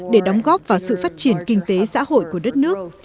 để đóng góp vào sự phát triển kinh tế xã hội của đất nước